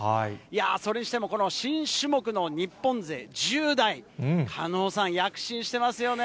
それにしてもこの新種目の日本勢１０代、狩野さん、躍進してますよね。